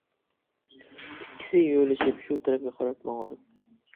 ئىككىسى يۆلىشىپ شۇ تەرەپكە قاراپ ماڭىدۇ.